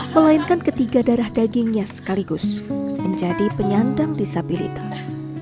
melainkan ketiga darah dagingnya sekaligus menjadi penyandang disabilitas